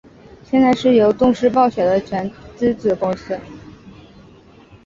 现在是由动视暴雪的全资子公司。